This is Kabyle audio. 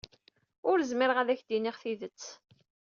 Ur zmireɣ ad ak-d-iniɣ tidet.